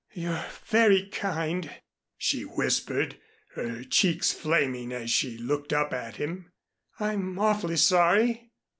"You're very kind," she whispered, her cheeks flaming as she looked up at him. "I'm awfully sorry."